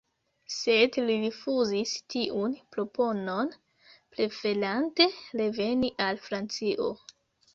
Sed li rifuzis tiun proponon, preferante reveni al Francio.